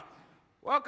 若！